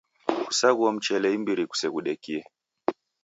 Kusaghuo mchele imbiri kuseghudekie